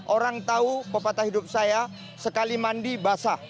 orang tahu pepatah hidup saya sekali mandi basah